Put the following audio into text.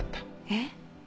えっ？